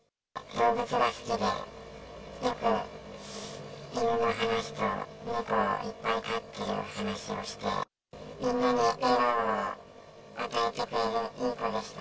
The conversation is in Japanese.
動物が好きで、よく犬の話と猫をいっぱい飼ってる話をして、みんなに笑顔を与えてくれるいい子でした。